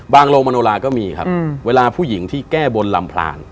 โรงมโนราก็มีครับเวลาผู้หญิงที่แก้บนลำพลาน